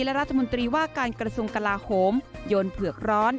และรัฐมนตรีว่าการกระทรวงกลาโหมโยนเผือกร้อน